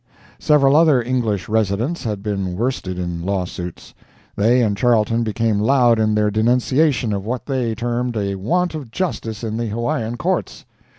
Several other English residents had been worsted in lawsuits. They and Charlton became loud in their denunciation of what they termed a want of justice in the Hawaiian Courts.